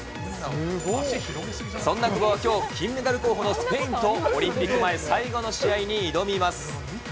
そんな久保はきょう、金メダル候補のスペインと、オリンピック前最後の試合に挑みます。